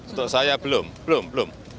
untuk saya belum belum belum